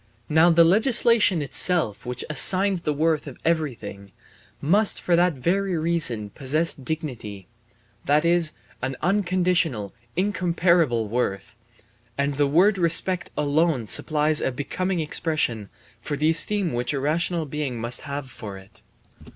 Now the legislation itself which assigns the worth of everything must for that very reason possess dignity, that is an unconditional incomparable worth; and the word respect alone supplies a becoming expression for the esteem which a rational being must have for it.